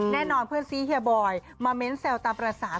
แน่นอนเพื่อนซีเฮียบอยมาเมนต์เซลล์ตาประสาหก